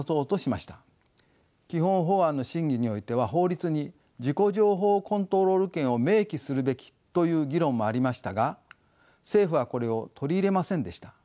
基本法案の審議においては法律に自己情報コントロール権を明記するべきという議論もありましたが政府はこれを取り入れませんでした。